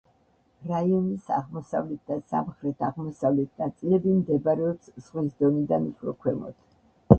რაიონის აღმოსავლეთ და სამხრეთ-აღმოსავლეთ ნაწილები მდებარეობს ზღვის დონიდან უფრო ქვემოთ.